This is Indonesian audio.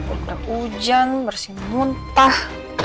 udah hujan bersih muntah